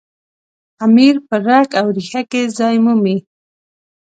امیر په رګ او ریښه کې ځای مومي.